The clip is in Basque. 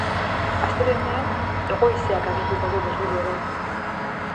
Astelehenean, hego-haizeak aginduko du berriro ere.